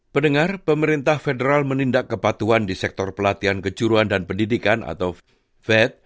pendengar pemerintah federal menindak kepatuan di sektor pelatihan kejuruan dan pendidikan atau fed